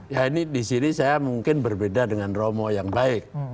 ya ini di sini saya mungkin berbeda dengan romo yang baik